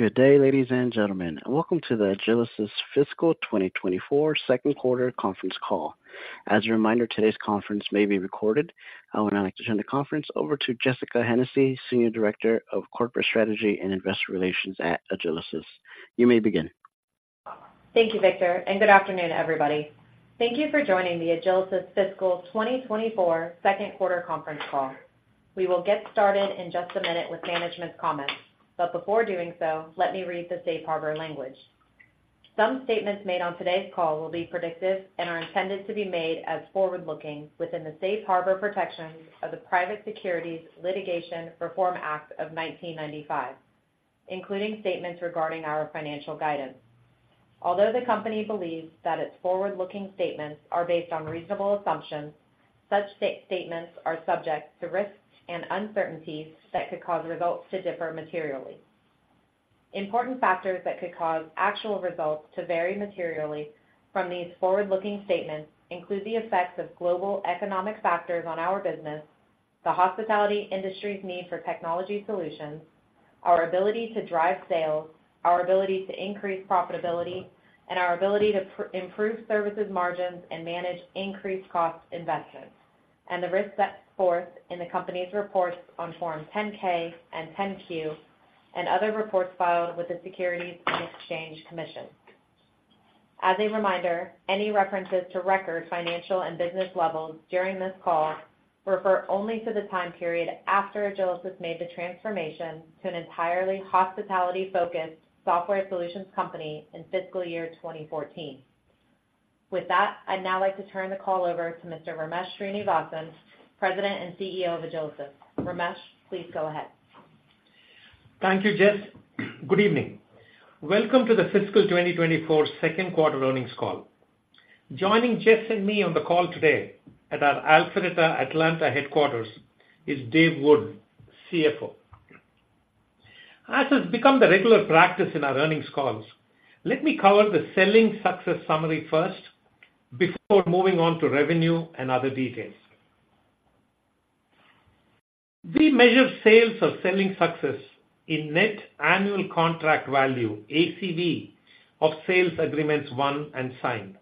Good day, ladies and gentlemen, and welcome to the Agilysys Fiscal 2024 second quarter conference call. As a reminder, today's conference may be recorded. I would now like to turn the conference over to Jessica Hennessy, Senior Director of Corporate Strategy and Investor Relations at Agilysys. You may begin. Thank you, Victor, and good afternoon, everybody. Thank you for joining the Agilysys Fiscal 2024 second quarter conference call. We will get started in just a minute with management's comments, but before doing so, let me read the safe harbor language. Some statements made on today's call will be predictive and are intended to be made as forward-looking within the Safe Harbor protections of the Private Securities Litigation Reform Act of 1995, including statements regarding our financial guidance. Although the company believes that its forward-looking statements are based on reasonable assumptions, such statements are subject to risks and uncertainties that could cause results to differ materially. Important factors that could cause actual results to vary materially from these forward-looking statements include the effects of global economic factors on our business, the hospitality industry's need for technology solutions, our ability to drive sales, our ability to increase profitability, and our ability to improve services margins and manage increased cost investments, and the risks set forth in the company's reports on Form 10-K and 10-Q, and other reports filed with the Securities and Exchange Commission. As a reminder, any references to record, financial, and business levels during this call refer only to the time period after Agilysys made the transformation to an entirely hospitality-focused software solutions company in fiscal year 2014. With that, I'd now like to turn the call over to Mr. Ramesh Srinivasan, President and CEO of Agilysys. Ramesh, please go ahead. Thank you, Jess. Good evening. Welcome to the fiscal 2024 second quarter earnings call. Joining Jess and me on the call today at our Alpharetta, Atlanta headquarters, is Dave Wood, CFO. As has become the regular practice in our earnings calls, let me cover the selling success summary first before moving on to revenue and other details. We measure sales or selling success in net annual contract value, ACV, of sales agreements won and signed.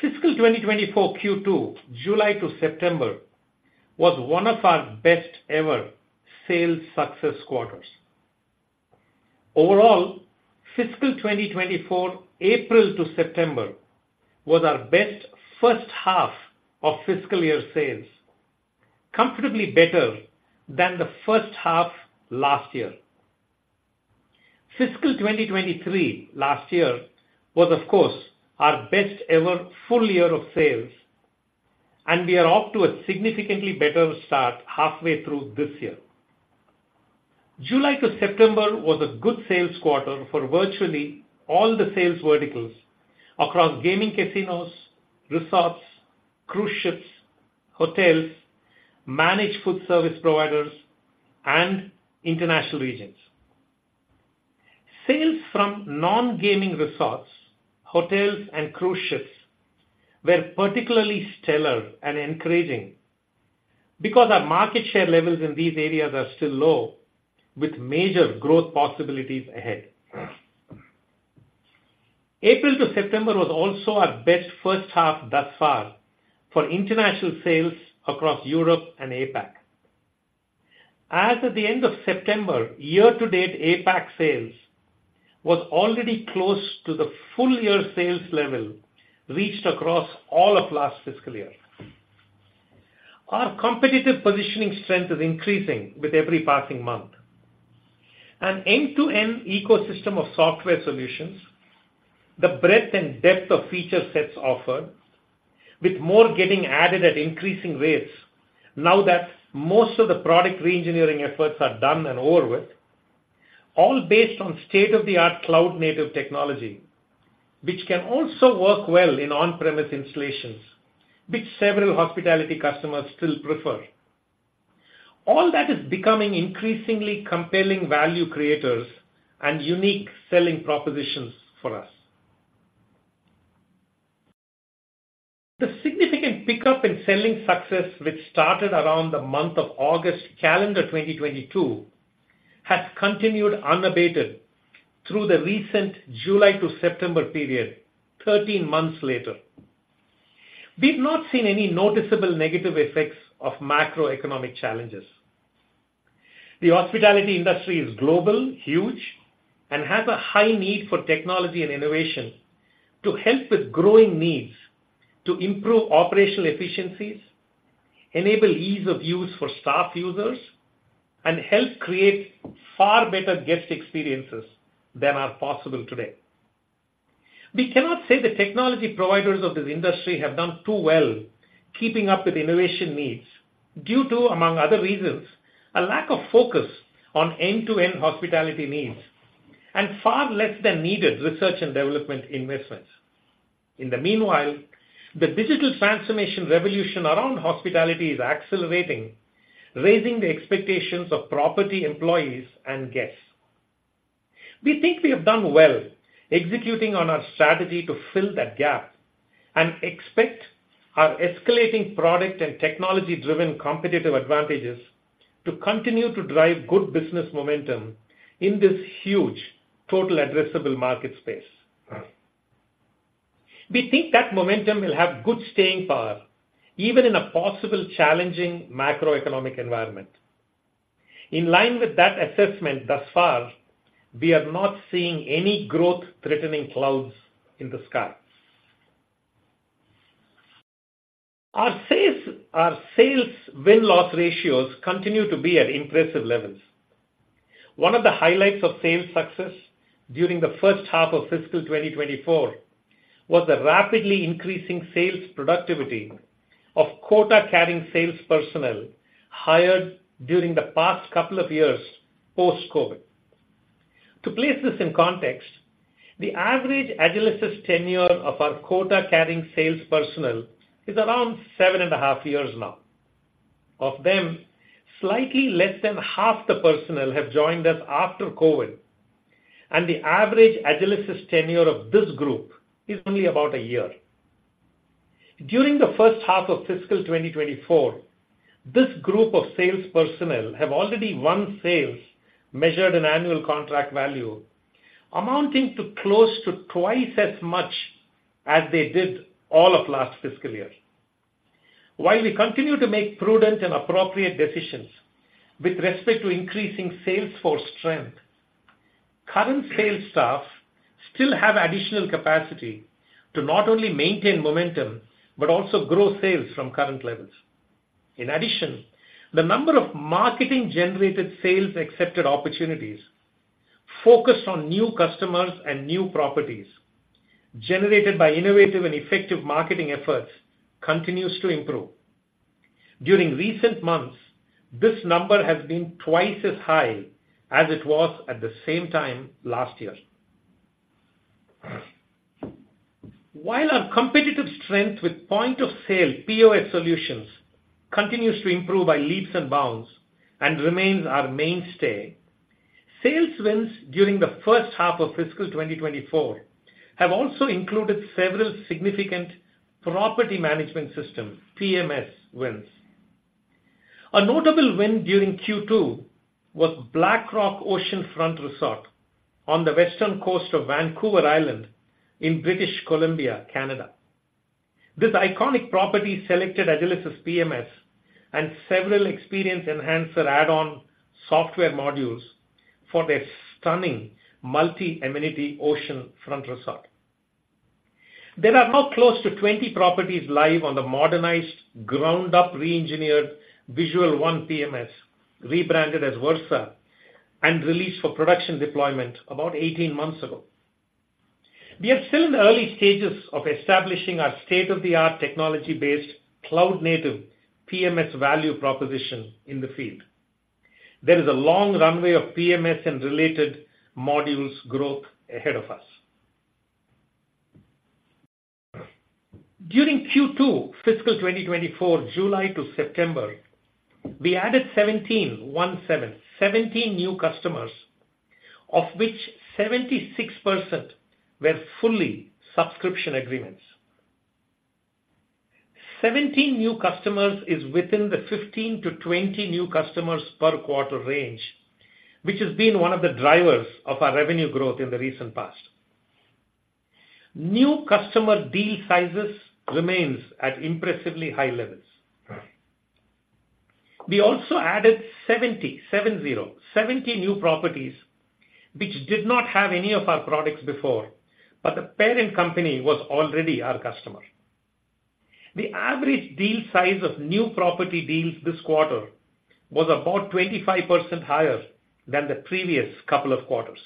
Fiscal 2024 Q2, July to September, was one of our best-ever sales success quarters. Overall, fiscal 2024, April to September, was our best first half of fiscal year sales, comfortably better than the first half last year. Fiscal 2023, last year, was, of course, our best ever full year of sales, and we are off to a significantly better start halfway through this year. July to September was a good sales quarter for virtually all the sales verticals across gaming casinos, resorts, cruise ships, hotels, managed food service providers, and international regions. Sales from non-gaming resorts, hotels, and cruise ships were particularly stellar and encouraging because our market share levels in these areas are still low, with major growth possibilities ahead. April to September was also our best first half thus far for international sales across Europe and APAC. As at the end of September, year-to-date, APAC sales was already close to the full year sales level reached across all of last fiscal year. Our competitive positioning strength is increasing with every passing month. An end-to-end ecosystem of software solutions, the breadth and depth of feature sets offered, with more getting added at increasing rates now that most of the product reengineering efforts are done and over with, all based on state-of-the-art cloud-native technology, which can also work well in on-premise installations, which several hospitality customers still prefer. All that is becoming increasingly compelling value creators and unique selling propositions for us. The significant pickup in selling success, which started around the month of August, calendar 2022, has continued unabated through the recent July to September period, 13 months later. We've not seen any noticeable negative effects of macroeconomic challenges. The hospitality industry is global, huge, and has a high need for technology and innovation to help with growing needs, to improve operational efficiencies, enable ease of use for staff users, and help create far better guest experiences than are possible today. We cannot say the technology providers of this industry have done too well, keeping up with innovation needs due to, among other reasons, a lack of focus on end-to-end hospitality needs and far less than needed research and development investments. In the meanwhile, the digital transformation revolution around hospitality is accelerating, raising the expectations of property, employees, and guests. We think we have done well executing on our strategy to fill that gap and expect our escalating product and technology-driven competitive advantages to continue to drive good business momentum in this huge total addressable market space. We think that momentum will have good staying power, even in a possible challenging macroeconomic environment. In line with that assessment, thus far, we are not seeing any growth-threatening clouds in the sky. Our sales, our sales win-loss ratios continue to be at impressive levels. One of the highlights of sales success during the first half of fiscal 2024 was the rapidly increasing sales productivity of quota-carrying sales personnel hired during the past couple of years, post-COVID. To place this in context, the average Agilysys tenure of our quota-carrying sales personnel is around 7.5 years now. Of them, slightly less than half the personnel have joined us after COVID, and the average Agilysys tenure of this group is only about 1 year. During the first half of fiscal 2024, this group of sales personnel have already won sales, measured in annual contract value, amounting to close to twice as much as they did all of last fiscal year. While we continue to make prudent and appropriate decisions with respect to increasing sales force strength, current sales staff still have additional capacity to not only maintain momentum, but also grow sales from current levels. In addition, the number of marketing-generated sales-accepted opportunities, focused on new customers and new properties, generated by innovative and effective marketing efforts, continues to improve. During recent months, this number has been twice as high as it was at the same time last year. While our competitive strength with point-of-sale, POS, solutions continues to improve by leaps and bounds and remains our mainstay, sales wins during the first half of fiscal 2024 have also included several significant property management system, PMS, wins. A notable win during Q2 was Black Rock Oceanfront Resort on the western coast of Vancouver Island in British Columbia, Canada. This iconic property selected Agilysys PMS and several Experience Enhancer add-on software modules for their stunning multi-amenity oceanfront resort. There are now close to 20 properties live on the modernized, ground-up, re-engineered Visual One PMS, rebranded as Versa, and released for production deployment about 18 months ago. We are still in the early stages of establishing our state-of-the-art, technology-based, cloud-native PMS value proposition in the field. There is a long runway of PMS and related modules growth ahead of us. During Q2 fiscal 2024, July to September, we added 17, one seven, 17 new customers, of which 76% were fully subscription agreements. Seventeen new customers is within the 15-20 new customers per quarter range, which has been one of the drivers of our revenue growth in the recent past. New customer deal sizes remains at impressively high levels. We also added 70 new properties, which did not have any of our products before, but the parent company was already our customer. The average deal size of new property deals this quarter was about 25% higher than the previous couple of quarters.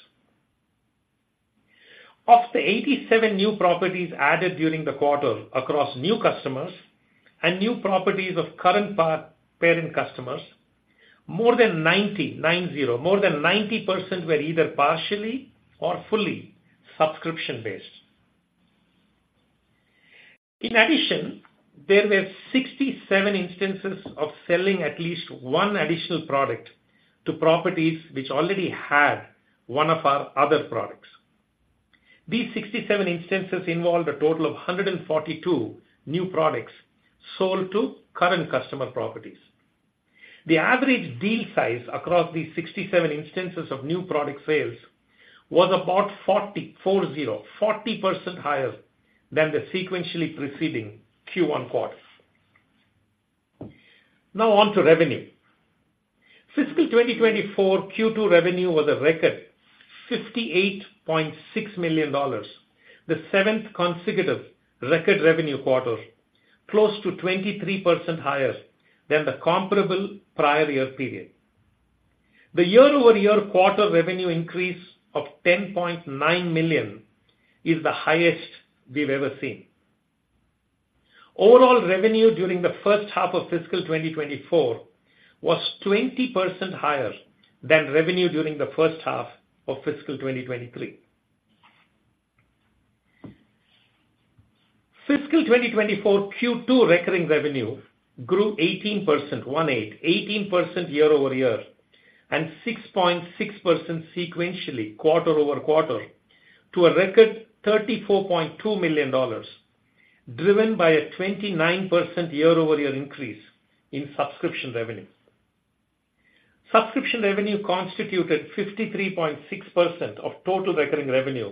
Of the 87 new properties added during the quarter across new customers and new properties of current parent customers, more than 90% were either partially or fully subscription-based. In addition, there were 67 instances of selling at least one additional product to properties which already had one of our other products. These 67 instances involved a total of 142 new products sold to current customer properties. The average deal size across these 67 instances of new product sales was about 40% higher than the sequentially preceding Q1 quarters. Now, on to revenue. Fiscal 2024 Q2 revenue was a record $58.6 million, the seventh consecutive record revenue quarter, close to 23% higher than the comparable prior year period. The year-over-year quarter revenue increase of $10.9 million is the highest we've ever seen. Overall revenue during the first half of fiscal 2024 was 20% higher than revenue during the first half of fiscal 2023. Fiscal 2024 Q2 recurring revenue grew 18%, 18% year-over-year and 6.6% sequentially, quarter-over-quarter, to a record $34.2 million, driven by a 29% year-over-year increase in subscription revenue. Subscription revenue constituted 53.6% of total recurring revenue,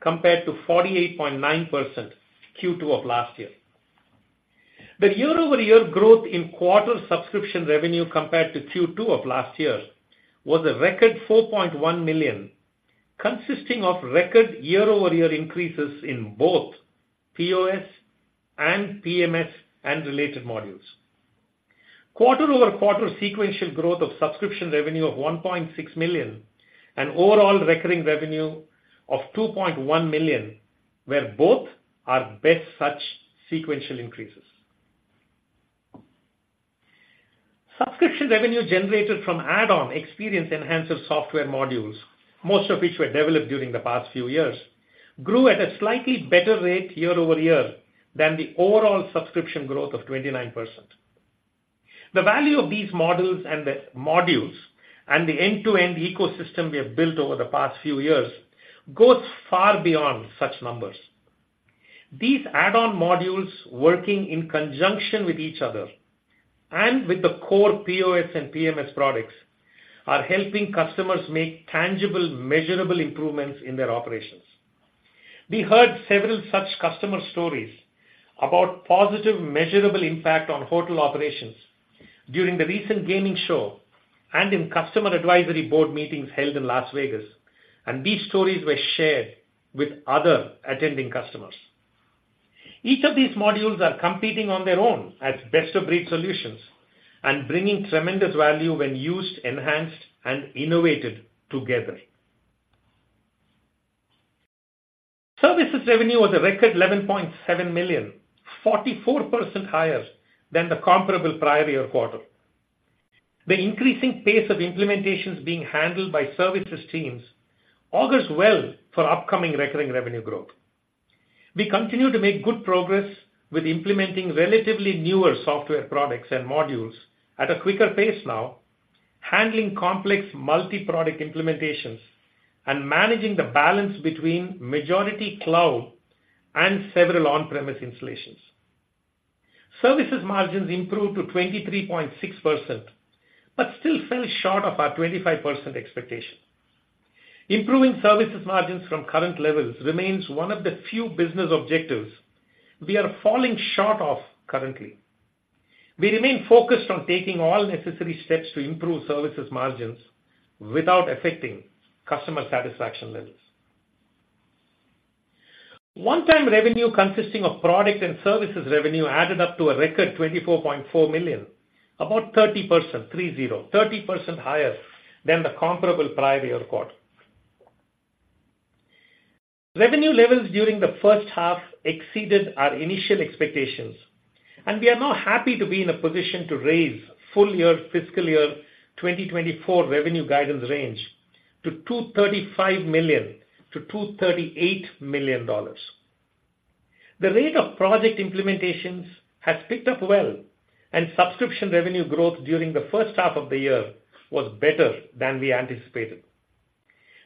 compared to 48.9% Q2 of last year. The year-over-year growth in quarter subscription revenue compared to Q2 of last year was a record $4.1 million, consisting of record year-over-year increases in both POS and PMS, and related modules. Quarter-over-quarter sequential growth of subscription revenue of $1.6 million, and overall recurring revenue of $2.1 million, where both are best such sequential increases. Subscription revenue generated from add-on Experience Enhancer software modules, most of which were developed during the past few years, grew at a slightly better rate year-over-year than the overall subscription growth of 29%. The value of these modules and the modules, and the end-to-end ecosystem we have built over the past few years, goes far beyond such numbers. These add-on modules, working in conjunction with each other, and with the core POS and PMS products, are helping customers make tangible, measurable improvements in their operations. We heard several such customer stories about positive, measurable impact on hotel operations during the recent gaming show and in customer advisory board meetings held in Las Vegas, and these stories were shared with other attending customers. Each of these modules are competing on their own as best-of-breed solutions, and bringing tremendous value when used, enhanced, and innovated together. Services revenue was a record $11.7 million, 44% higher than the comparable prior year quarter. The increasing pace of implementations being handled by services teams augurs well for upcoming recurring revenue growth. We continue to make good progress with implementing relatively newer software products and modules at a quicker pace now, handling complex multi-product implementations, and managing the balance between majority cloud and several on-premise installations. Services margins improved to 23.6%, but still fell short of our 25% expectation. Improving services margins from current levels remains one of the few business objectives we are falling short of currently. We remain focused on taking all necessary steps to improve services margins without affecting customer satisfaction levels. One-time revenue, consisting of product and services revenue, added up to a record $24.4 million, about 30%, 30% higher than the comparable prior year quarter. Revenue levels during the first half exceeded our initial expectations, and we are now happy to be in a position to raise full year fiscal year 2024 revenue guidance range to $235 million-$238 million. The rate of project implementations has picked up well, and subscription revenue growth during the first half of the year was better than we anticipated.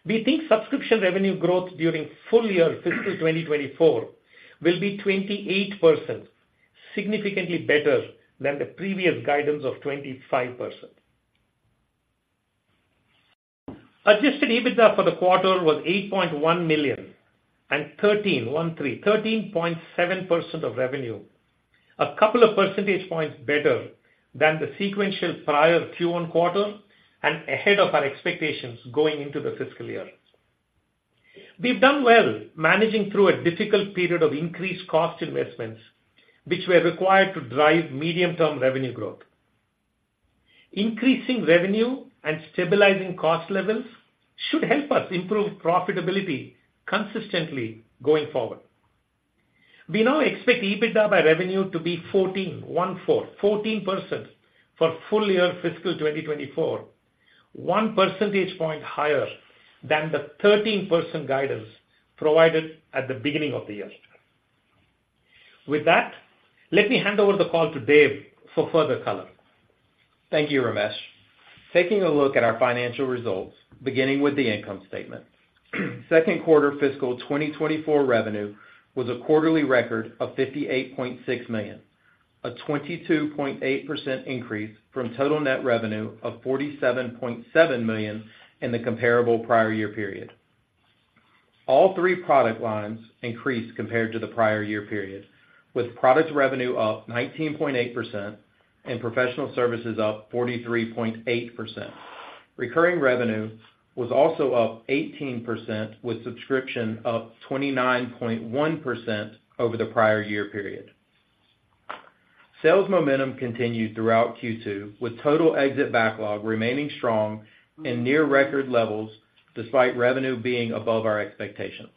We think subscription revenue growth during full year fiscal 2024 will be 28%, significantly better than the previous guidance of 25%. Adjusted EBITDA for the quarter was $8.1 million and 13.7% of revenue, a couple of percentage points better than the sequential prior Q1 quarter, and ahead of our expectations going into the fiscal year. We've done well managing through a difficult period of increased cost investments, which were required to drive medium-term revenue growth. Increasing revenue and stabilizing cost levels should help us improve profitability consistently going forward. We now expect EBITDA by revenue to be 14% for full year fiscal 2024, one percentage point higher than the 13% guidance provided at the beginning of the year. With that, let me hand over the call to Dave for further color. Thank you, Ramesh. Taking a look at our financial results, beginning with the income statement. Second quarter fiscal 2024 revenue was a quarterly record of $58.6 million, a 22.8% increase from total net revenue of $47.7 million in the comparable prior year period. All three product lines increased compared to the prior year period, with products revenue up 19.8% and professional services up 43.8%. Recurring revenue was also up 18%, with subscription up 29.1% over the prior year period. Sales momentum continued throughout Q2, with total exit backlog remaining strong in near record levels, despite revenue being above our expectations.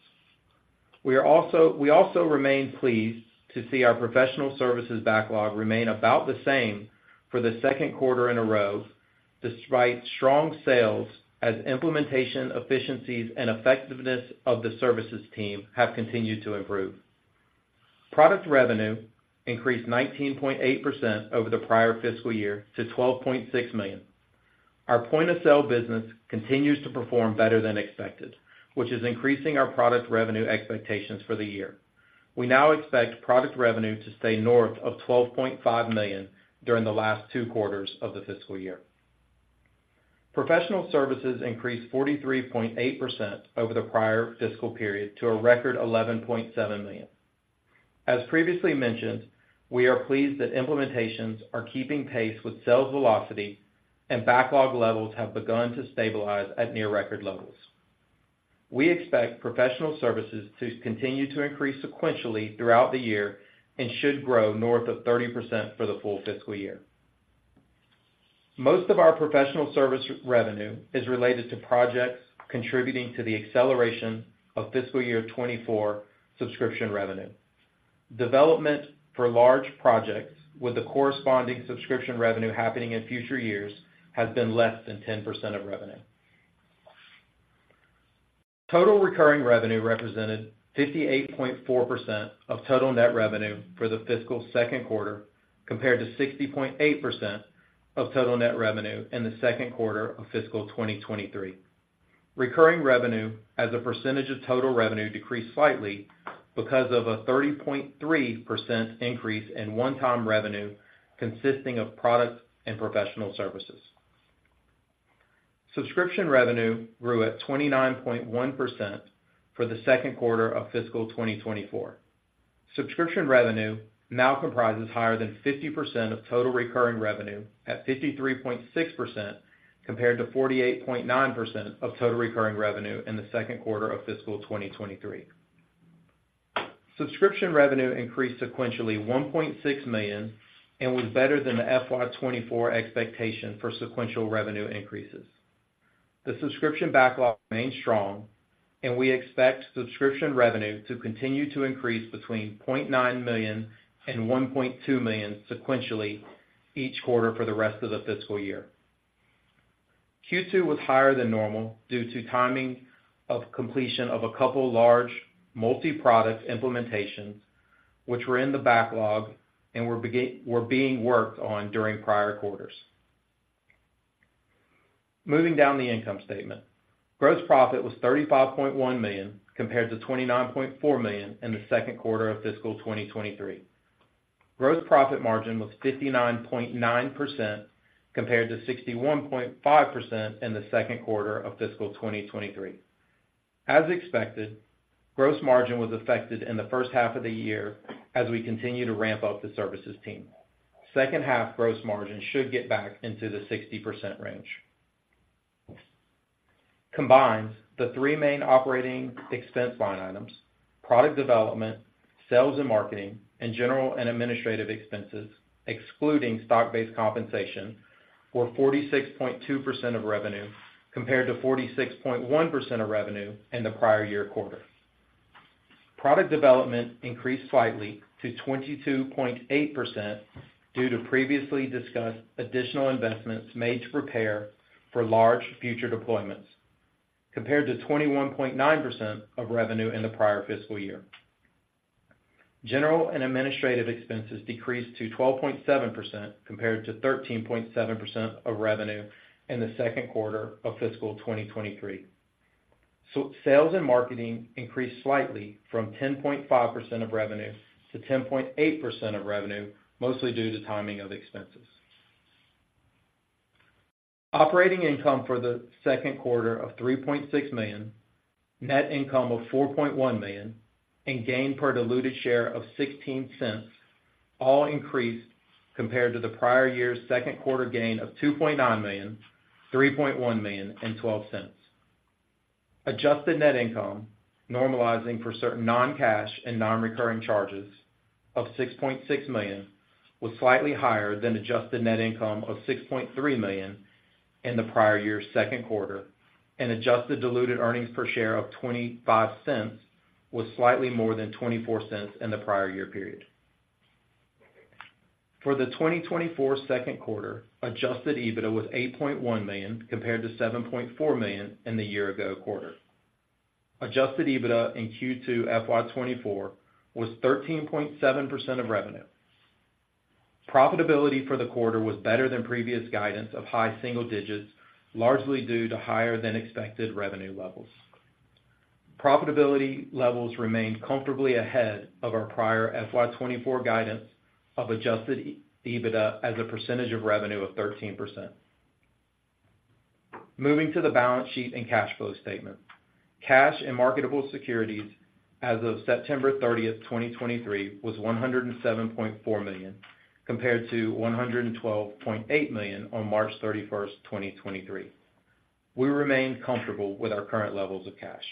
We also remain pleased to see our professional services backlog remain about the same for the second quarter in a row, despite strong sales, as implementation, efficiencies, and effectiveness of the services team have continued to improve. Product revenue increased 19.8% over the prior fiscal year to $12.6 million. Our point-of-sale business continues to perform better than expected, which is increasing our product revenue expectations for the year. We now expect product revenue to stay north of $12.5 million during the last two quarters of the fiscal year. Professional services increased 43.8% over the prior fiscal period, to a record $11.7 million. As previously mentioned, we are pleased that implementations are keeping pace with sales velocity and backlog levels have begun to stabilize at near record levels. We expect professional services to continue to increase sequentially throughout the year and should grow north of 30% for the full fiscal year. Most of our professional service revenue is related to projects contributing to the acceleration of fiscal year 2024 subscription revenue. Development for large projects, with the corresponding subscription revenue happening in future years, has been less than 10% of revenue. Total recurring revenue represented 58.4% of total net revenue for the fiscal second quarter, compared to 60.8% of total net revenue in the second quarter of fiscal 2023. Recurring revenue as a percentage of total revenue, decreased slightly because of a 30.3% increase in one-time revenue, consisting of products and professional services. Subscription revenue grew at 29.1% for the second quarter of fiscal 2024. Subscription revenue now comprises higher than 50% of total recurring revenue at 53.6%, compared to 48.9% of total recurring revenue in the second quarter of fiscal 2023. Subscription revenue increased sequentially $1.6 million, and was better than the FY 2024 expectation for sequential revenue increases. The subscription backlog remains strong, and we expect subscription revenue to continue to increase between $0.9 million and $1.2 million sequentially, each quarter for the rest of the fiscal year. Q2 was higher than normal due to timing of completion of a couple large multi-product implementations, which were in the backlog and were being worked on during prior quarters. Moving down the income statement. Gross profit was $35.1 million compared to $29.4 million in the second quarter of fiscal 2023. Gross profit margin was 59.9%, compared to 61.5% in the second quarter of fiscal 2023. As expected, gross margin was affected in the first half of the year as we continue to ramp up the services team. Second half gross margin should get back into the 60% range. Combined, the three main operating expense line items, product development, sales and marketing, and general and administrative expenses, excluding stock-based compensation, were 46.2% of revenue, compared to 46.1% of revenue in the prior year quarter. Product development increased slightly to 22.8% due to previously discussed additional investments made to prepare for large future deployments, compared to 21.9% of revenue in the prior fiscal year. General and administrative expenses decreased to 12.7%, compared to 13.7% of revenue in the second quarter of fiscal 2023. Sales and marketing increased slightly from 10.5% of revenue to 10.8% of revenue, mostly due to timing of expenses. Operating income for the second quarter of $3.6 million, net income of $4.1 million, and gain per diluted share of $0.16, all increased compared to the prior year's second quarter gain of $2.9 million, $3.1 million and $0.12. Adjusted net income, normalizing for certain non-cash and non-recurring charges of $6.6 million, was slightly higher than adjusted net income of $6.3 million in the prior year's second quarter, and adjusted diluted earnings per share of $0.25 was slightly more than $0.24 in the prior year period. For the 2024 second quarter, adjusted EBITDA was $8.1 million, compared to $7.4 million in the year ago quarter. Adjusted EBITDA in Q2 FY 2024 was 13.7% of revenue. Profitability for the quarter was better than previous guidance of high single digits, largely due to higher than expected revenue levels. Profitability levels remained comfortably ahead of our prior FY 2024 guidance of adjusted EBITDA as a percentage of revenue of 13%. Moving to the balance sheet and cash flow statement. Cash and marketable securities as of September 30th, 2023, was $107.4 million, compared to $112.8 million on March 31st, 2023. We remain comfortable with our current levels of cash.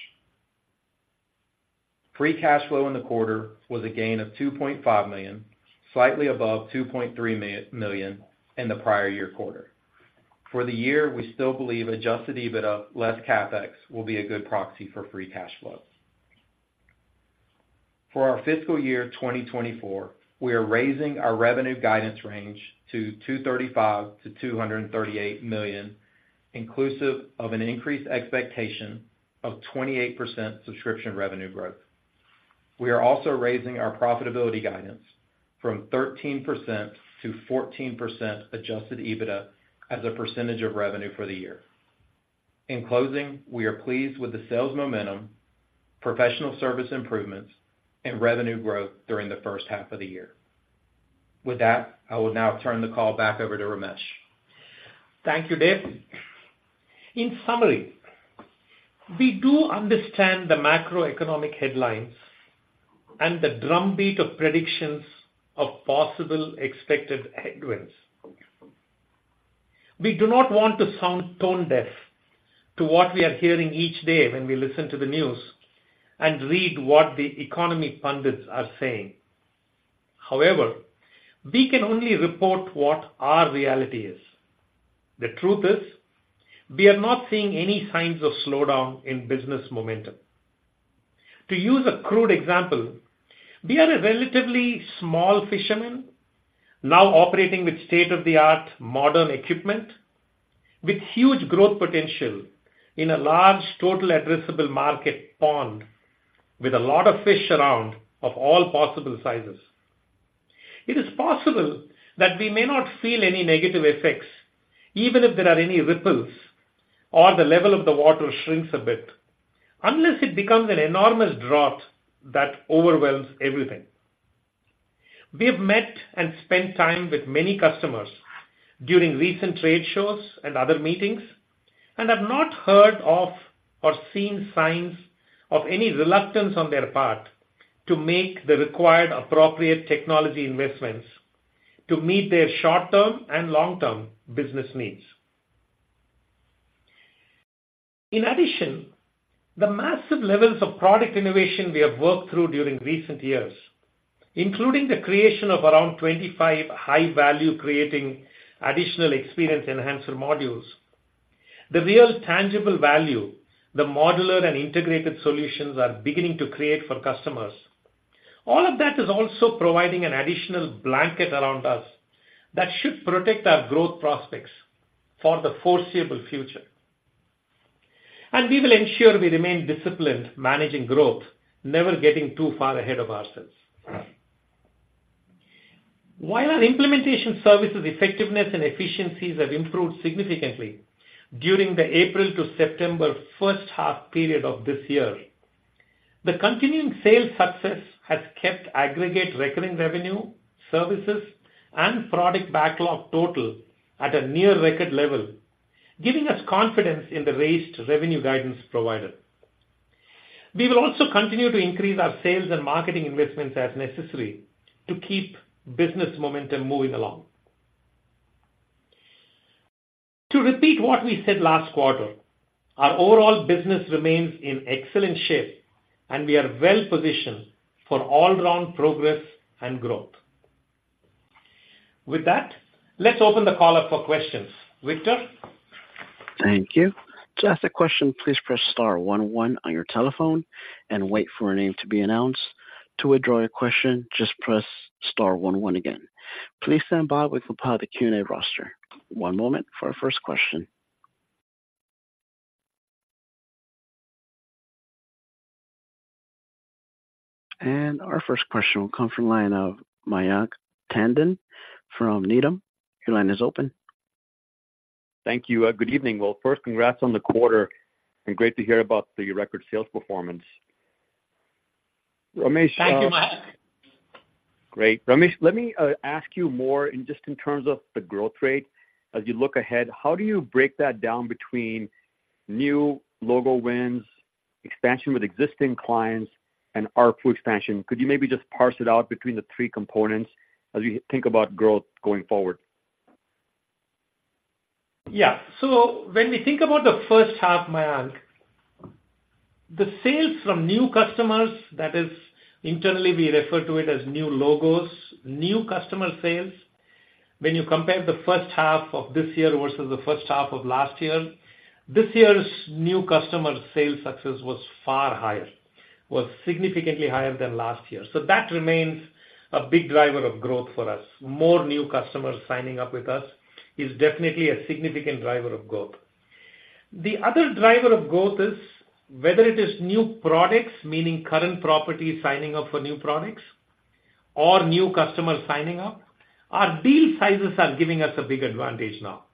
Free cash flow in the quarter was a gain of $2.5 million, slightly above $2.3 million in the prior year quarter. For the year, we still believe adjusted EBITDA less CapEx will be a good proxy for free cash flow. For our fiscal year 2024, we are raising our revenue guidance range to $235 million-$238 million, inclusive of an increased expectation of 28% subscription revenue growth. We are also raising our profitability guidance from 13% to 14% adjusted EBITDA as a percentage of revenue for the year. In closing, we are pleased with the sales momentum, professional service improvements, and revenue growth during the first half of the year. With that, I will now turn the call back over to Ramesh. Thank you, Dave. In summary, we do understand the macroeconomic headlines and the drumbeat of predictions of possible expected headwinds. We do not want to sound tone deaf to what we are hearing each day when we listen to the news and read what the economy pundits are saying. However, we can only report what our reality is. The truth is, we are not seeing any signs of slowdown in business momentum. To use a crude example, we are a relatively small fisherman, now operating with state-of-the-art modern equipment, with huge growth potential in a large total addressable market pond, with a lot of fish around of all possible sizes. It is possible that we may not feel any negative effects, even if there are any ripples or the level of the water shrinks a bit, unless it becomes an enormous drought that overwhelms everything. We have met and spent time with many customers during recent trade shows and other meetings, and have not heard of or seen signs of any reluctance on their part to make the required appropriate technology investments to meet their short-term and long-term business needs. In addition, the massive levels of product innovation we have worked through during recent years, including the creation of around 25 high-value creating additional Experience Enhancer modules, the real tangible value, the modular and integrated solutions are beginning to create for customers. All of that is also providing an additional blanket around us that should protect our growth prospects for the foreseeable future. We will ensure we remain disciplined, managing growth, never getting too far ahead of ourselves. While our implementation services effectiveness and efficiencies have improved significantly during the April to September first half period of this year, the continuing sales success has kept aggregate recurring revenue, services, and product backlog total at a near record level, giving us confidence in the raised revenue guidance provided. We will also continue to increase our sales and marketing investments as necessary to keep business momentum moving along. To repeat what we said last quarter, our overall business remains in excellent shape, and we are well positioned for all-round progress and growth. With that, let's open the call up for questions. Victor? Thank you. To ask a question, please press star one, one on your telephone and wait for your name to be announced. To withdraw your question, just press star one, one again. Please stand by while we compile the Q&A roster. One moment for our first question. Our first question will come from the line of Mayank Tandon from Needham. Your line is open. Thank you. Good evening. Well, first, congrats on the quarter, and great to hear about the record sales performance. Ramesh, Thank you, Mayank. Great! Ramesh, let me, ask you more in just in terms of the growth rate. As you look ahead, how do you break that down between new logo wins, expansion with existing clients, and ARPU expansion? Could you maybe just parse it out between the three components as we think about growth going forward? Yeah. So when we think about the first half, Mayank, the sales from new customers, that is internally, we refer to it as new logos, new customer sales. When you compare the first half of this year versus the first half of last year, this year's new customer sales success was far higher, was significantly higher than last year. So that remains a big driver of growth for us. More new customers signing up with us is definitely a significant driver of growth. The other driver of growth is whether it is new products, meaning current properties signing up for new products or new customers signing up, our deal sizes are giving us a big advantage now.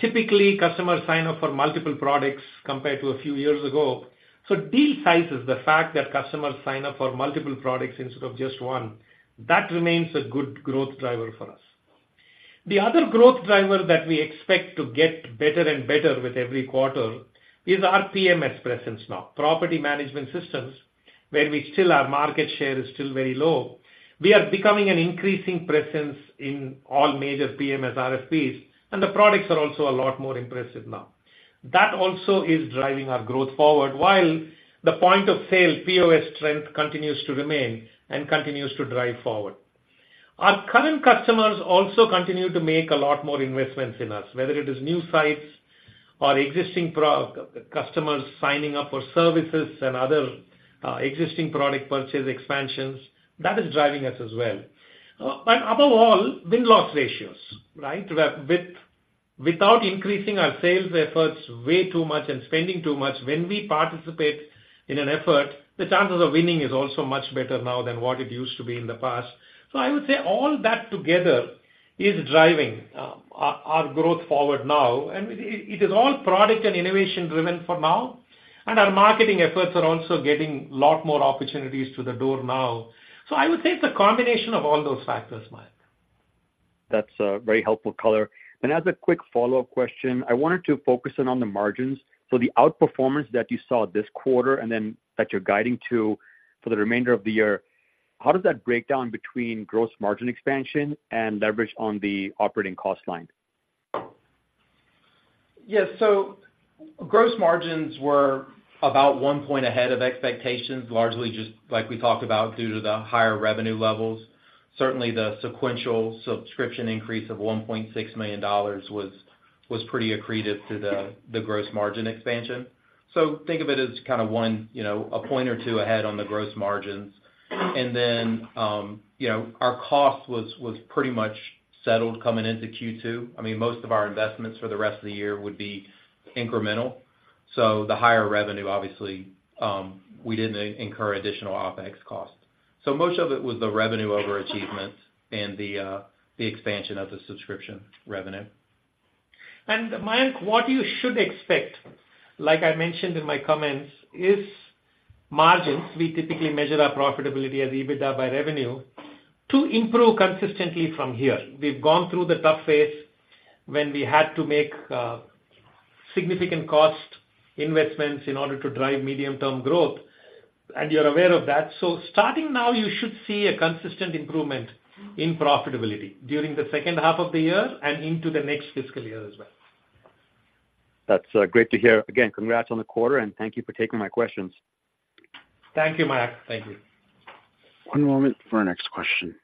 Typically, customers sign up for multiple products compared to a few years ago. So deal size is the fact that customers sign up for multiple products instead of just one. That remains a good growth driver for us. The other growth driver that we expect to get better and better with every quarter is our PMS presence now. Property management systems, where we still our market share is still very low, we are becoming an increasing presence in all major PMS RFPs, and the products are also a lot more impressive now. That also is driving our growth forward, while the point of sale, POS strength, continues to remain and continues to drive forward. Our current customers also continue to make a lot more investments in us, whether it is new sites or existing pro- customers signing up for services and other, existing product purchase expansions, that is driving us as well. And above all, win-loss ratios.... Right? Without increasing our sales efforts way too much and spending too much, when we participate in an effort, the chances of winning is also much better now than what it used to be in the past. So I would say all that together is driving our growth forward now, and it is all product and innovation driven for now, and our marketing efforts are also getting a lot more opportunities to the door now. So I would say it's a combination of all those factors, Mayank. That's a very helpful color. As a quick follow-up question, I wanted to focus in on the margins. The outperformance that you saw this quarter, and then that you're guiding to for the remainder of the year, how does that break down between gross margin expansion and leverage on the operating cost line? Yes. Gross margins were about 1 point ahead of expectations, largely just like we talked about, due to the higher revenue levels. Certainly, the sequential subscription increase of $1.6 million was pretty accretive to the gross margin expansion. Think of it as kind of one, you know, a point or two ahead on the gross margins. You know, our cost was pretty much settled coming into Q2. I mean, most of our investments for the rest of the year would be incremental. The higher revenue, obviously, we didn't incur additional OpEx costs. Much of it was the revenue over achievements and the expansion of the subscription revenue. Mayank, what you should expect, like I mentioned in my comments, is margins. We typically measure our profitability as EBITDA by revenue, to improve consistently from here. We've gone through the tough phase when we had to make significant cost investments in order to drive medium-term growth, and you're aware of that. So starting now, you should see a consistent improvement in profitability during the second half of the year and into the next fiscal year as well. That's great to hear. Again, congrats on the quarter, and thank you for taking my questions. Thank you, Mayank. Thank you. One moment for our next question.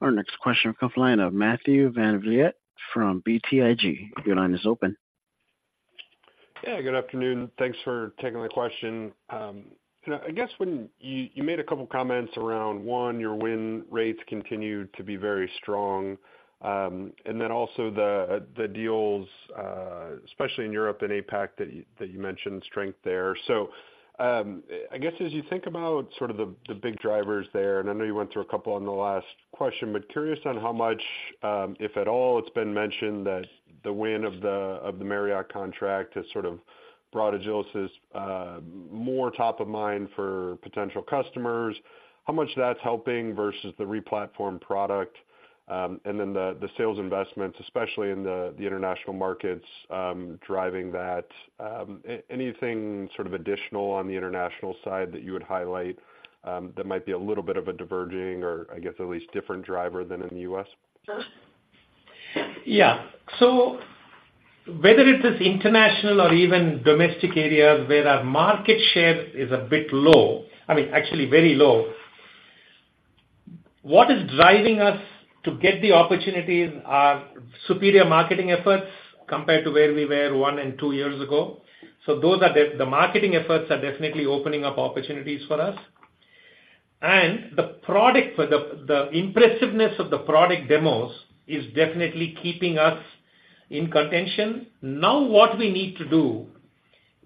Our next question comes from the line of Matthew VanVliet from BTIG. Your line is open. Yeah, good afternoon. Thanks for taking my question. I guess when you, you made a couple comments around, one, your win rates continued to be very strong, and then also the, the deals, especially in Europe and APAC, that you, that you mentioned strength there. So, I guess, as you think about sort of the, the big drivers there, and I know you went through a couple on the last question, but curious on how much, if at all, it's been mentioned that the win of the, of the Marriott contract has sort of brought Agilysys, more top of mind for potential customers, how much that's helping versus the replatform product, and then the, the sales investments, especially in the, the international markets, driving that? Anything sort of additional on the international side that you would highlight, that might be a little bit of a diverging or I guess at least different driver than in the U.S.? Yeah. So whether it is international or even domestic areas where our market share is a bit low, I mean, actually very low, what is driving us to get the opportunities are superior marketing efforts compared to where we were 1 year and 2 years ago. So those are the marketing efforts are definitely opening up opportunities for us. And the product, the impressiveness of the product demos is definitely keeping us in contention. Now, what we need to do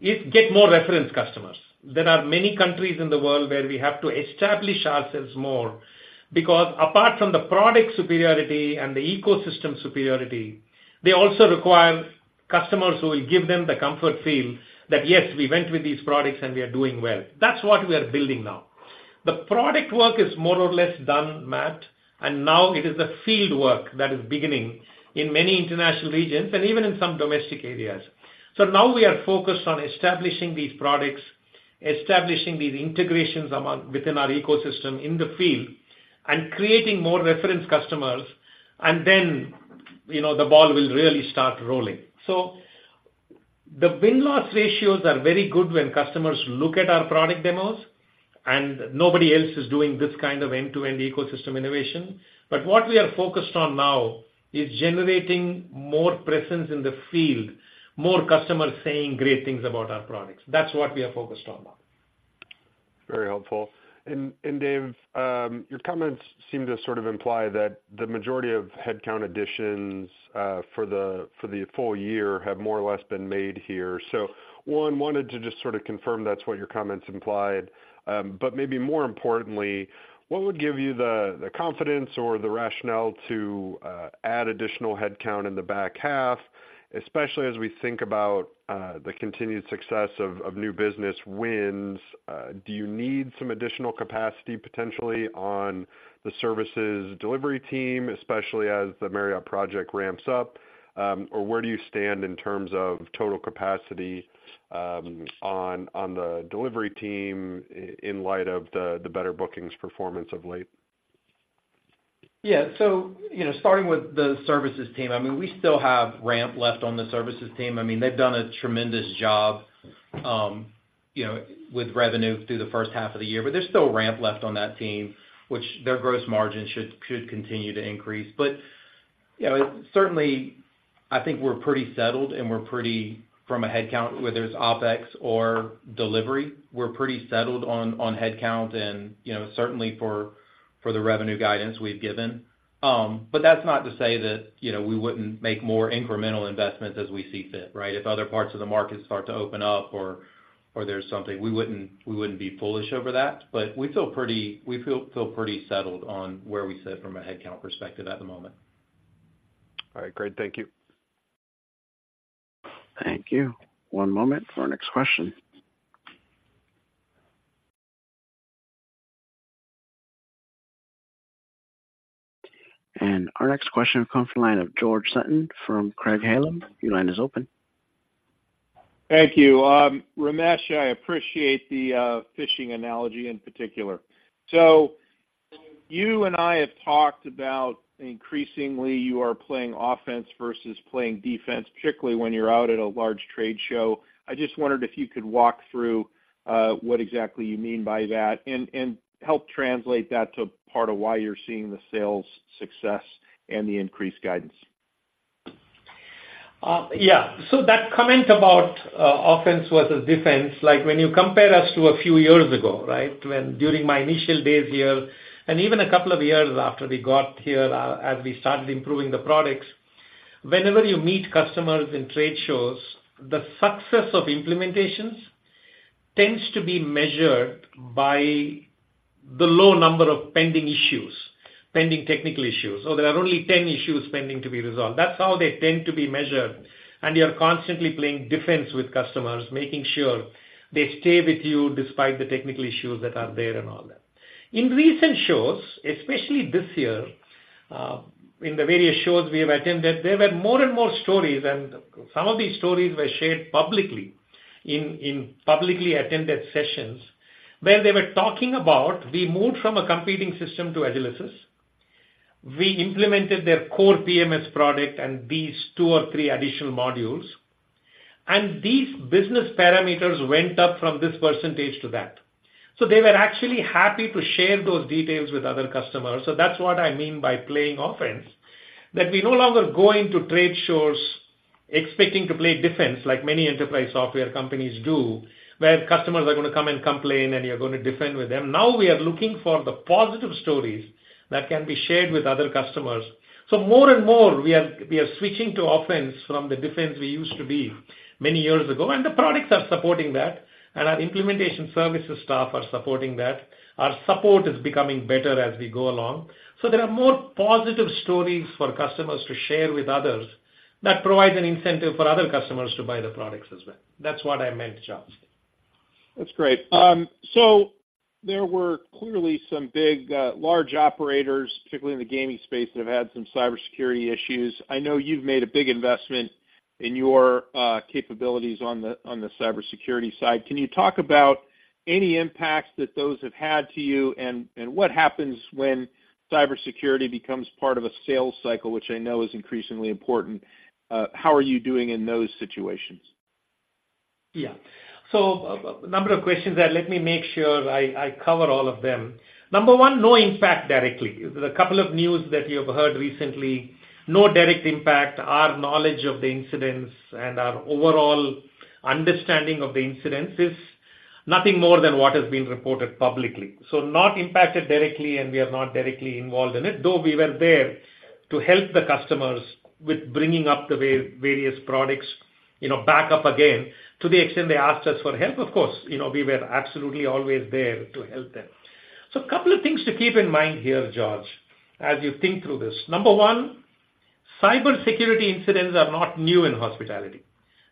is get more reference customers. There are many countries in the world where we have to establish ourselves more, because apart from the product superiority and the ecosystem superiority, they also require customers who will give them the comfort feel that, "Yes, we went with these products, and we are doing well." That's what we are building now. The product work is more or less done, Matt, and now it is the field work that is beginning in many international regions and even in some domestic areas. So now we are focused on establishing these products, establishing these integrations among within our ecosystem in the field, and creating more reference customers, and then, you know, the ball will really start rolling. So the win-loss ratios are very good when customers look at our product demos, and nobody else is doing this kind of end-to-end ecosystem innovation. But what we are focused on now is generating more presence in the field, more customers saying great things about our products. That's what we are focused on now. Very helpful. Dave, your comments seem to sort of imply that the majority of headcount additions for the full year have more or less been made here. So, wanted to just sort of confirm that's what your comments implied. But maybe more importantly, what would give you the confidence or the rationale to add additional headcount in the back half, especially as we think about the continued success of new business wins? Do you need some additional capacity potentially on the services delivery team, especially as the Marriott project ramps up? Or where do you stand in terms of total capacity on the delivery team in light of the better bookings performance of late? Yeah. So, you know, starting with the services team, I mean, we still have ramp left on the services team. I mean, they've done a tremendous job, you know, with revenue through the first half of the year, but there's still ramp left on that team, which their gross margin should, should continue to increase. But... You know, certainly, I think we're pretty settled, and we're pretty from a headcount, whether it's OpEx or delivery, we're pretty settled on, on headcount and, you know, certainly for, for the revenue guidance we've given. But that's not to say that, you know, we wouldn't make more incremental investments as we see fit, right? If other parts of the market start to open up or, or there's something, we wouldn't, we wouldn't be foolish over that. We feel pretty settled on where we sit from a headcount perspective at the moment. All right, great. Thank you. Thank you. One moment for our next question. Our next question comes from the line of George Sutton from Craig-Hallum. Your line is open. Thank you. Ramesh, I appreciate the fishing analogy in particular. So you and I have talked about increasingly you are playing offense versus playing defense, particularly when you're out at a large trade show. I just wondered if you could walk through what exactly you mean by that and help translate that to part of why you're seeing the sales success and the increased guidance. Yeah. So that comment about offense versus defense, like, when you compare us to a few years ago, right? During my initial days here, and even a couple of years after we got here, as we started improving the products, whenever you meet customers in trade shows, the success of implementations tends to be measured by the low number of pending issues, pending technical issues. So there are only 10 issues pending to be resolved. That's how they tend to be measured, and you're constantly playing defense with customers, making sure they stay with you despite the technical issues that are there and all that. In recent shows, especially this year, in the various shows we have attended, there were more and more stories, and some of these stories were shared publicly in publicly attended sessions, where they were talking about, we moved from a competing system to Agilysys. We implemented their core PMS product and these two or three additional modules, and these business parameters went up from this percentage to that. So they were actually happy to share those details with other customers. So that's what I mean by playing offense, that we're no longer going to trade shows expecting to play defense like many enterprise software companies do, where customers are gonna come and complain, and you're gonna defend with them. Now, we are looking for the positive stories that can be shared with other customers. So more and more, we are, we are switching to offense from the defense we used to be many years ago, and the products are supporting that, and our implementation services staff are supporting that. Our support is becoming better as we go along. So there are more positive stories for customers to share with others that provide an incentive for other customers to buy the products as well. That's what I meant, George. That's great. So there were clearly some big, large operators, particularly in the gaming space, that have had some cybersecurity issues. I know you've made a big investment in your capabilities on the cybersecurity side. Can you talk about any impacts that those have had to you? And what happens when cybersecurity becomes part of a sales cycle, which I know is increasingly important, how are you doing in those situations? Yeah. So a number of questions there. Let me make sure I cover all of them. Number one, no impact directly. The couple of news that you have heard recently, no direct impact. Our knowledge of the incidents and our overall understanding of the incidents is nothing more than what has been reported publicly. So not impacted directly, and we are not directly involved in it, though we were there to help the customers with bringing up the various products, you know, back up again. To the extent they asked us for help, of course, you know, we were absolutely always there to help them. So a couple of things to keep in mind here, George, as you think through this. Number one, cybersecurity incidents are not new in hospitality.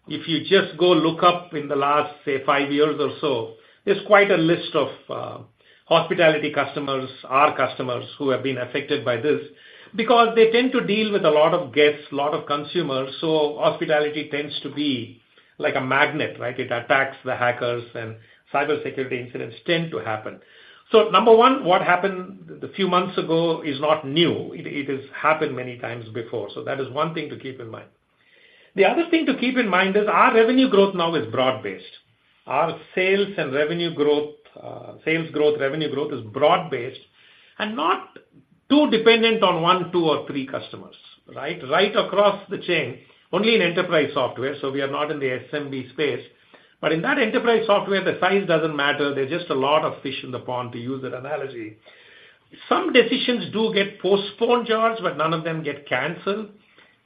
If you just go look up in the last, say, five years or so, there's quite a list of hospitality customers, our customers, who have been affected by this, because they tend to deal with a lot of guests, a lot of consumers, so hospitality tends to be like a magnet, right? It attacks the hackers, and cybersecurity incidents tend to happen. So number one, what happened a few months ago is not new. It, it has happened many times before. So that is one thing to keep in mind. The other thing to keep in mind is our revenue growth now is broad-based. Our sales and revenue growth, sales growth, revenue growth is broad-based and not too dependent on one, two, or three customers, right? Right across the chain, only in enterprise software, so we are not in the SMB space. But in that enterprise software, the size doesn't matter. There's just a lot of fish in the pond, to use that analogy. Some decisions do get postponed, George, but none of them get canceled.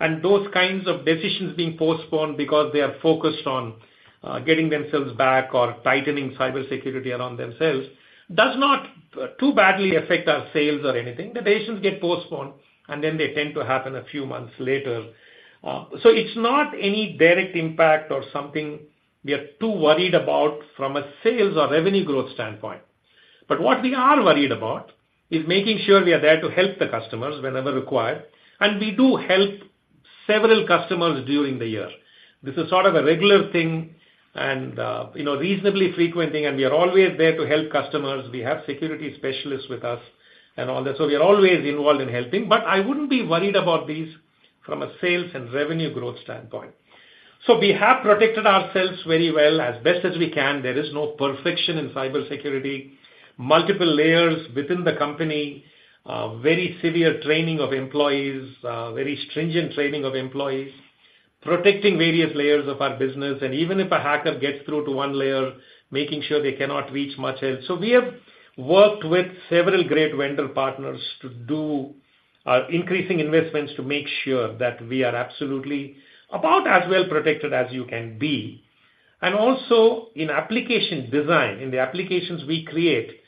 And those kinds of decisions being postponed because they are focused on getting themselves back or tightening cybersecurity around themselves does not too badly affect our sales or anything. The decisions get postponed, and then they tend to happen a few months later. So it's not any direct impact or something we are too worried about from a sales or revenue growth standpoint. But what we are worried about is making sure we are there to help the customers whenever required, and we do help several customers during the year. This is sort of a regular thing and, you know, reasonably frequent thing, and we are always there to help customers. We have security specialists with us and all that, so we are always involved in helping. But I wouldn't be worried about these from a sales and revenue growth standpoint. So we have protected ourselves very well as best as we can. There is no perfection in cybersecurity. Multiple layers within the company, very severe training of employees, very stringent training of employees, protecting various layers of our business, and even if a hacker gets through to one layer, making sure they cannot reach much else. So we have worked with several great vendor partners to do increasing investments to make sure that we are absolutely about as well protected as you can be. And also in application design, in the applications we create,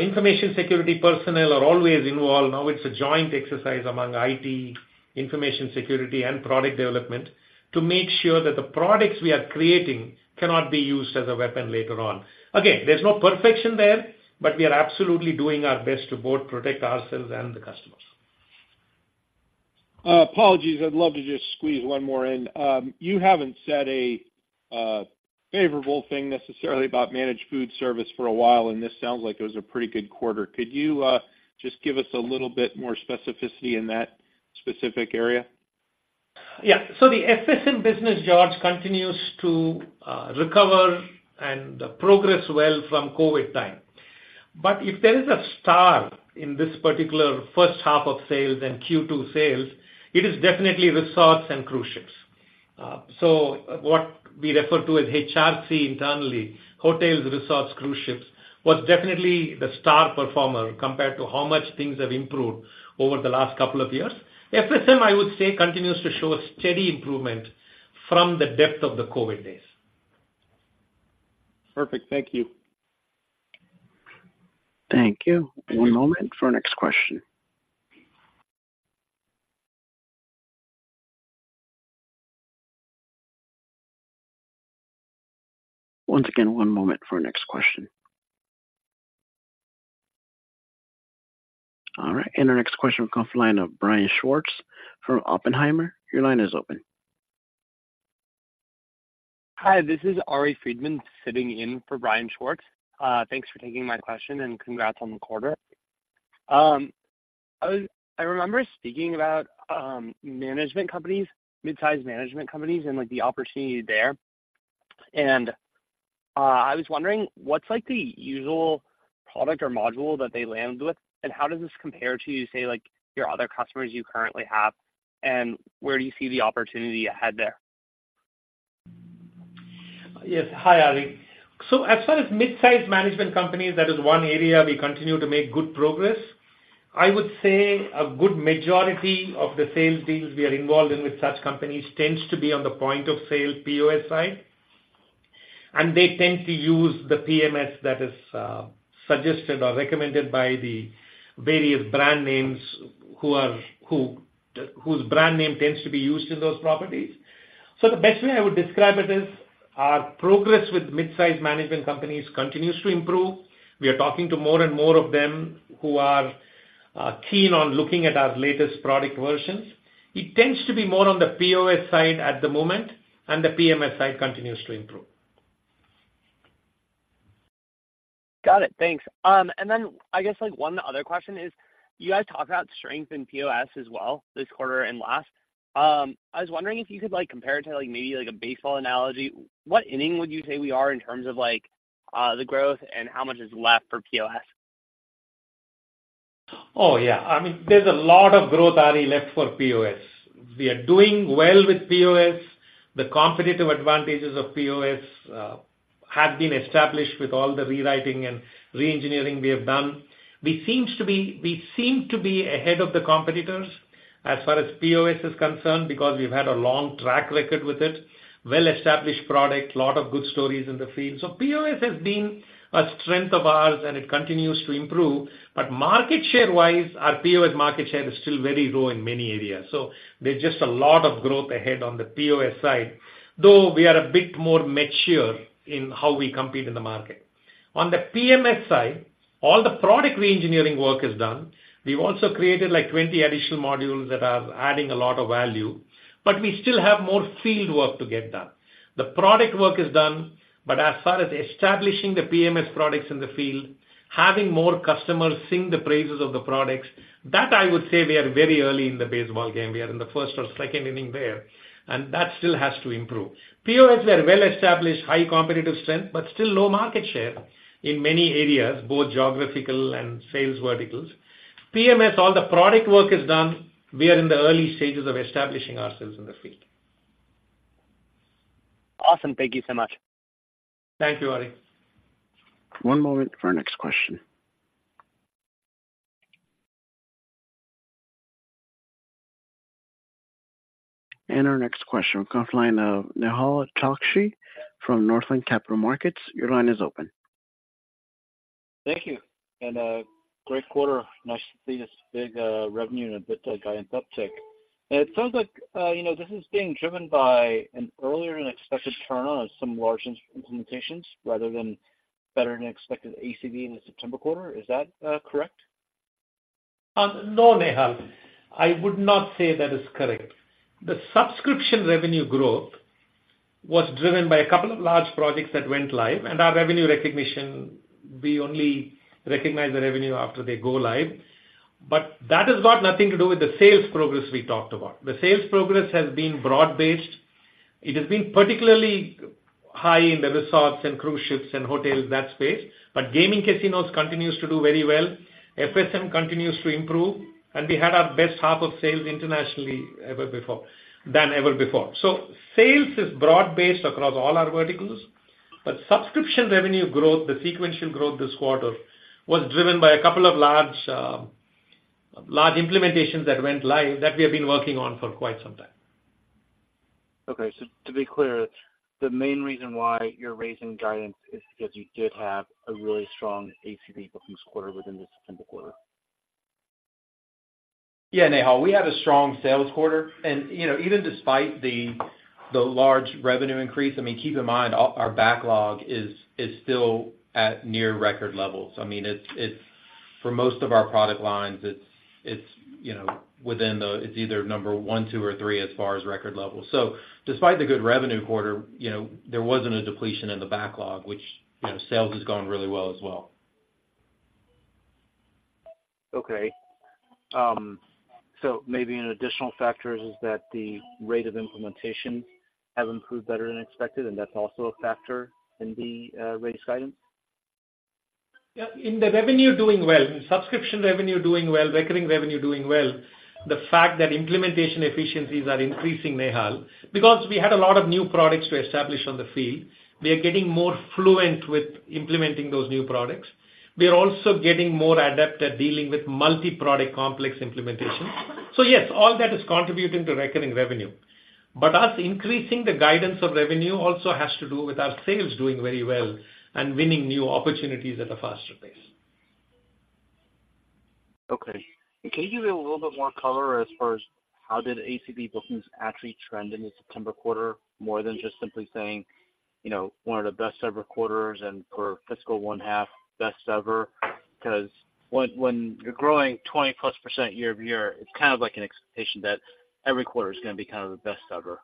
information security personnel are always involved. Now it's a joint exercise among IT, information security, and product development to make sure that the products we are creating cannot be used as a weapon later on. Again, there's no perfection there, but we are absolutely doing our best to both protect ourselves and the customers. Apologies. I'd love to just squeeze one more in. You haven't said a favorable thing necessarily about managed food service for a while, and this sounds like it was a pretty good quarter. Could you just give us a little bit more specificity in that specific area? Yeah. So the FSM business, George, continues to recover and progress well from COVID time. But if there is a star in this particular first half of sales and Q2 sales, it is definitely resorts and cruise ships. So what we refer to as HRC internally, hotels, resorts, cruise ships, was definitely the star performer compared to how much things have improved over the last couple of years. FSM, I would say, continues to show a steady improvement from the depth of the COVID days. Perfect. Thank you. Thank you. One moment for our next question. Once again, one moment for our next question. All right, and our next question comes from the line of Brian Schwartz from Oppenheimer. Your line is open. Hi, this is Ari Friedman, sitting in for Brian Schwartz. Thanks for taking my question, and congrats on the quarter. I remember speaking about management companies, mid-sized management companies, and, like, the opportunity there. And I was wondering, what's like the usual product or module that they land with? And how does this compare to, say, like, your other customers you currently have, and where do you see the opportunity ahead there? Yes. Hi, Ari. So as far as mid-sized management companies, that is one area we continue to make good progress. I would say a good majority of the sales deals we are involved in with such companies tends to be on the point of sale, POS side. And they tend to use the PMS that is suggested or recommended by the various brand names whose brand name tends to be used in those properties. So the best way I would describe it is, our progress with mid-sized management companies continues to improve. We are talking to more and more of them who are keen on looking at our latest product versions. It tends to be more on the POS side at the moment, and the PMS side continues to improve. Got it. Thanks. And then I guess, like, one other question is, you guys talk about strength in POS as well this quarter and last. I was wondering if you could, like, compare it to, like, maybe like a baseball analogy. What inning would you say we are in terms of, like, the growth and how much is left for POS? Oh, yeah. I mean, there's a lot of growth, Ari, left for POS. We are doing well with POS. The competitive advantages of POS have been established with all the rewriting and reengineering we have done. We seem to be ahead of the competitors as far as POS is concerned, because we've had a long track record with it, well-established product, lot of good stories in the field. So POS has been a strength of ours, and it continues to improve. But market share-wise, our POS market share is still very low in many areas, so there's just a lot of growth ahead on the POS side, though we are a bit more mature in how we compete in the market. On the PMS side, all the product reengineering work is done. We've also created, like, 20 additional modules that are adding a lot of value, but we still have more field work to get done. The product work is done, but as far as establishing the PMS products in the field, having more customers sing the praises of the products, that I would say we are very early in the baseball game. We are in the first or second inning there, and that still has to improve. POS, we are well-established, high competitive strength, but still low market share in many areas, both geographical and sales verticals. PMS, all the product work is done. We are in the early stages of establishing ourselves in the field. Awesome. Thank you so much. Thank you, Ari. One moment for our next question. Our next question comes from the line of Nehal Chokshi from Northland Capital Markets. Your line is open. Thank you and great quarter. Nice to see this big revenue and a bit guidance uptick. It sounds like, you know, this is being driven by an earlier than expected turn on some large implementations rather than better than expected ACV in the September quarter. Is that correct? No, Nehal, I would not say that is correct. The subscription revenue growth was driven by a couple of large projects that went live, and our revenue recognition... we only recognize the revenue after they go live. But that has got nothing to do with the sales progress we talked about. The sales progress has been broad-based. It has been particularly high in the resorts and cruise ships and hotels, that space. But gaming casinos continues to do very well, FSM continues to improve, and we had our best half of sales internationally ever before - than ever before. So sales is broad-based across all our verticals, but subscription revenue growth, the sequential growth this quarter, was driven by a couple of large, large implementations that went live, that we have been working on for quite some time. Okay, so to be clear, the main reason why you're raising guidance is because you did have a really strong ACV bookings quarter within the September quarter? Yeah, Nehal, we had a strong sales quarter. You know, even despite the large revenue increase, I mean, keep in mind, our backlog is still at near record levels. I mean, it's for most of our product lines, it's, you know, within the, it's either number one, two, or three as far as record levels. Despite the good revenue quarter, you know, there wasn't a depletion in the backlog, which, you know, sales has gone really well as well. Okay. So maybe an additional factor is that the rate of implementation have improved better than expected, and that's also a factor in the rate guidance? Yeah, in the revenue doing well, in subscription revenue doing well, recurring revenue doing well, the fact that implementation efficiencies are increasing, Nehal, because we had a lot of new products to establish on the field. We are getting more fluent with implementing those new products. We are also getting more adept at dealing with multi-product complex implementations. So yes, all that is contributing to recurring revenue. But us increasing the guidance of revenue also has to do with our sales doing very well and winning new opportunities at a faster pace. Okay. Can you give a little bit more color as far as how did ACV bookings actually trend in the September quarter, more than just simply saying, you know, one of the best ever quarters and for fiscal first half, best ever? Because when you're growing 20%+ year-over-year, it's kind of like an expectation that every quarter is gonna be kind of the best ever.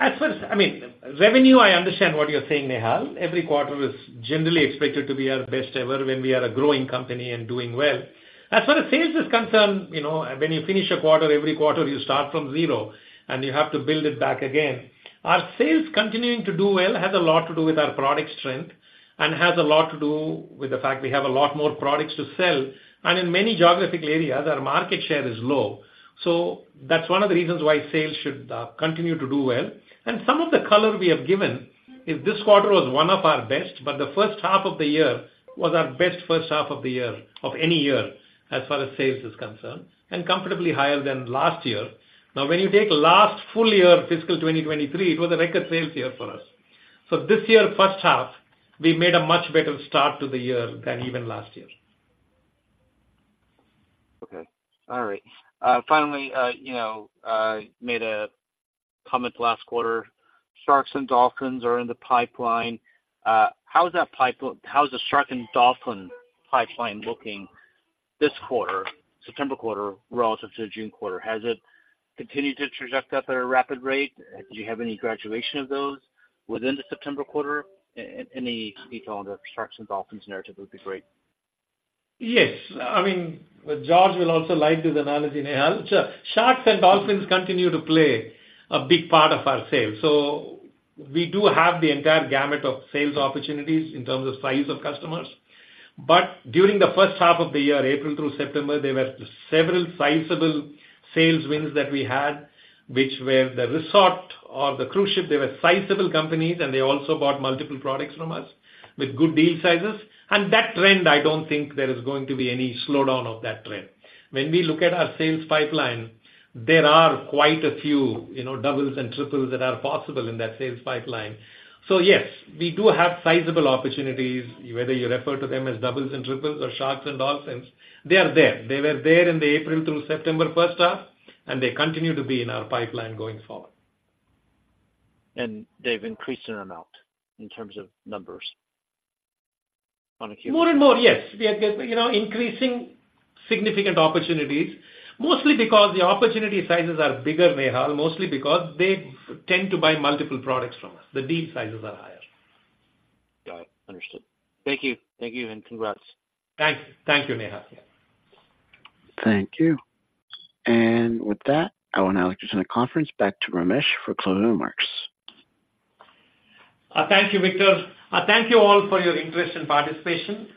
As far as I mean, revenue, I understand what you're saying, Nehal. Every quarter is generally expected to be our best ever when we are a growing company and doing well. As far as sales is concerned, you know, when you finish a quarter, every quarter, you start from zero, and you have to build it back again. Our sales continuing to do well, has a lot to do with our product strength and has a lot to do with the fact we have a lot more products to sell, and in many geographic areas, our market share is low. So that's one of the reasons why sales should continue to do well. Some of the color we have given is this quarter was one of our best, but the first half of the year was our best first half of the year, of any year, as far as sales is concerned, and comfortably higher than last year. Now, when you take last full year, fiscal 2023, it was a record sales year for us. So this year, first half, we made a much better start to the year than even last year. Okay. All right. Finally, you know, made a comment last quarter, sharks and dolphins are in the pipeline. How is the shark and dolphin pipeline looking this quarter, September quarter, relative to the June quarter? Has it continued to track up at a rapid rate? Do you have any graduation of those within the September quarter? Any detail on the sharks and dolphins narrative would be great. Yes. I mean, George will also like this analogy, Nehal. Sharks and dolphins continue to play a big part of our sales. So we do have the entire gamut of sales opportunities in terms of size of customers. But during the first half of the year, April through September, there were several sizable sales wins that we had, which were the resort or the cruise ship. They were sizable companies, and they also bought multiple products from us with good deal sizes. And that trend, I don't think there is going to be any slowdown of that trend. When we look at our sales pipeline, there are quite a few, you know, doubles and triples that are possible in that sales pipeline. So yes, we do have sizable opportunities, whether you refer to them as doubles and triples or sharks and dolphins, they are there. They were there in the April through September first half, and they continue to be in our pipeline going forward. They've increased in amount in terms of numbers on a cumulative... More and more, yes. We are, you know, increasing significant opportunities, mostly because the opportunity sizes are bigger, Nehal, mostly because they tend to buy multiple products from us. The deal sizes are higher. Got it. Understood. Thank you. Thank you, and congrats. Thank you, Nehal. Thank you. With that, I will now return the conference back to Ramesh for closing remarks. Thank you, Victor. Thank you all for your interest and participation.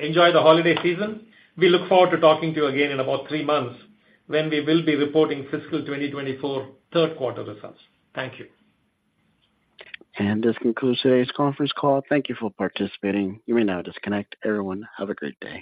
Enjoy the holiday season. We look forward to talking to you again in about three months, when we will be reporting fiscal 2024 third quarter results. Thank you. This concludes today's conference call. Thank you for participating. You may now disconnect. Everyone, have a great day.